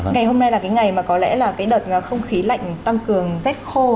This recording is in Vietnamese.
ngày hôm nay là cái ngày mà có lẽ là cái đợt không khí lạnh tăng cường rét khô